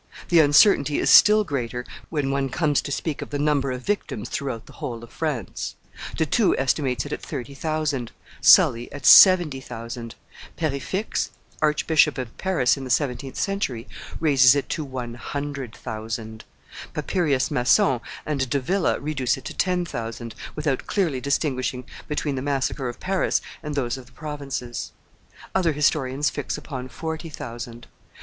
The uncertainty is still greater when one comes to speak of the number of victims throughout the whole of France; De Thou estimates it at thirty thousand, Sully at seventy thousand, Perefixe, Archbishop of Paris in the seventeenth century, raises it to one hundred thousand; Papirius Masson and Davila reduce it to ten thousand, without clearly distinguishing between the massacre of Paris and those of the provinces; other historians fix upon forty thousand.